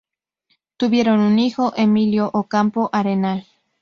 Tuvieron un hijo, Emilio Ocampo Arenal.